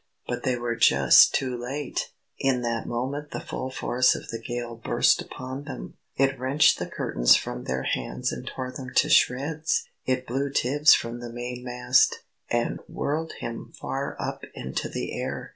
But they were just too late! In that moment the full force of the gale burst upon them. It wrenched the curtains from their hands and tore them to shreds! It blew Tibbs from the main mast, and whirled him far up into the air!